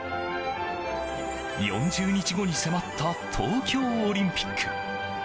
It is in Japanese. ４０日後に迫った東京オリンピック。